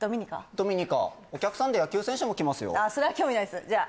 ドミニカお客さんで野球選手も来ますよああ